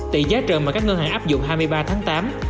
tỷ giá trợ mà các ngân hàng áp dụng hai mươi ba tháng tám